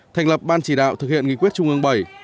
thành lập ban chỉ đạo thực hiện nghị quyết trung ương bảy